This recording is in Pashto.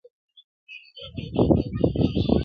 یوه ورځ پاچا وو غلی ورغلی-